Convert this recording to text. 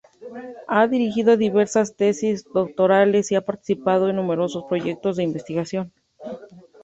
Ha dirigido diversas tesis doctorales y ha participado en numerosos proyectos de investigación.